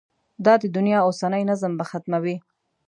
دا د دنیا اوسنی نظم به ختموي.